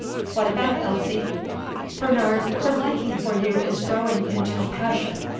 What about Elsie?" "Bernard, her liking for you is growing into a passion.